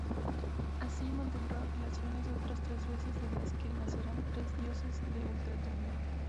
Así, mantendrán relaciones otras tres veces, de las que nacerán tres dioses de ultratumba.